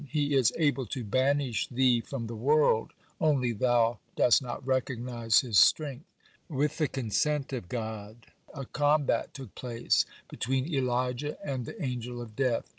He is able to banish thee from the world, only thou dost not recognize his strength." With the consent of God, a combat took place between Elijah and the Angel of Death.